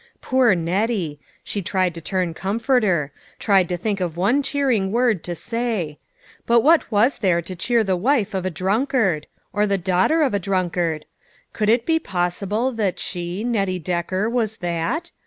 Poor Nettie! she tried to turn comforter; tried to think of one cheering word to say ; but what was there to cheer the wife of a drunk ard ? Or the daughter of a drunkard ? Could it be possible that she, Nettie Decker, was that!